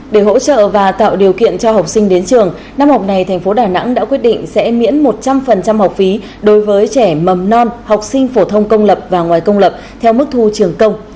để hỗ trợ và tạo điều kiện cho học sinh đến trường năm học này thành phố đà nẵng đã quyết định sẽ miễn một trăm linh học phí đối với trẻ mầm non học sinh phổ thông công lập và ngoài công lập theo mức thu trường công